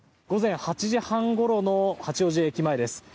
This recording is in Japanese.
午前８時半ごろの八王子駅前です。